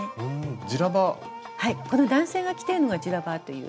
この男性が着ているのがジュラバという。